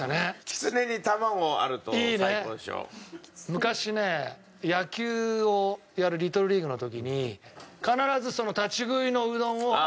昔ね野球をやるリトルリーグの時に必ず立ち食いのうどんを朝食べて行ったのが。